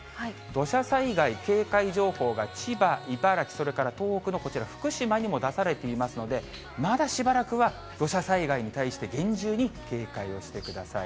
土砂災害警戒情報が千葉、茨城、それから東北のこちら、福島にも出されていますので、まだしばらくは土砂災害に対して、厳重に警戒をしてください。